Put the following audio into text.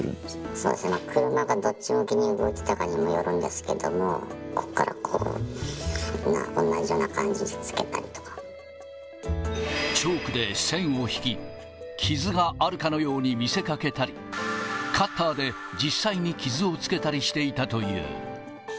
そうですね、車がどっち向きに動いてたかにもよるんですけど、こっからこう、チョークで線を引き、傷があるかのように見せかけたり、カッターで実際に傷をつけたりしていたという。